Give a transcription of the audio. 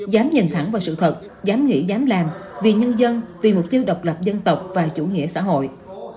dám nhìn thẳng vào sự thật dám nghĩ dám làm vì nhân dân vì mục tiêu độc lập dân tộc và chủ nghĩa xã hội